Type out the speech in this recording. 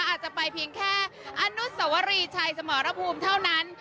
อาจจะไปเพียงแค่อนุสวรีชัยสมรภูมิเท่านั้น